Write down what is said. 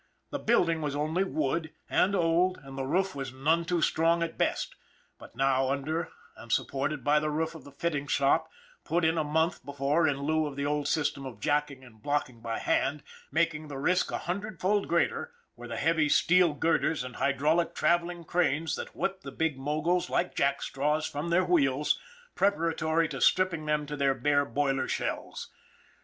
The building was only wood, and old, and the roof was none too strong at best; but now, under and supported by the roof of the fitting shop, put in a month before in lieu of the old system of jacking and blocking by hand, making the risk a hundredfold greater, were the heavy steel girders and hydraulic traveling cranes that whipped the big moguls like jack straws from their wheels preparatory to stripping them to their bare boiler shells.